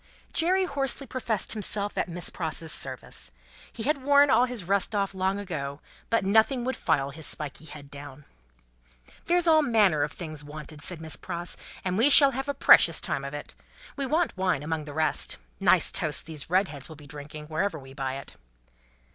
Jerry hoarsely professed himself at Miss Pross's service. He had worn all his rust off long ago, but nothing would file his spiky head down. "There's all manner of things wanted," said Miss Pross, "and we shall have a precious time of it. We want wine, among the rest. Nice toasts these Redheads will be drinking, wherever we buy it."